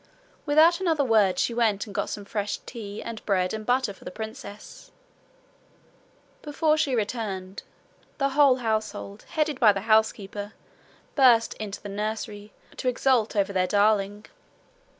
Without another word she went and got some fresh tea and bread and butter for the princess. Before she returned, the whole household, headed by the housekeeper, burst into the nursery to exult over their darling.